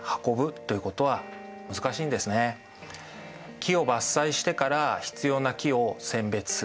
木を伐採してから必要な木を選別する。